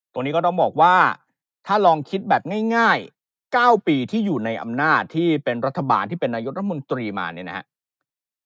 ตรงนี้ก็ต้องบอกว่าถ้าลองคิดแบบง่าย๙ปีที่อยู่ในอำนาจที่เป็นรัฐบาลที่เป็นนายกรัฐมนตรีมาเนี่ยนะครับ